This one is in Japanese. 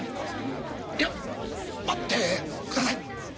いや待ってください！